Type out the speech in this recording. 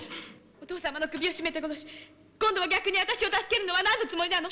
お父様の首を絞めて殺し今度は逆に私を助けるのは何のつもりなの？